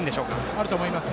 あると思います。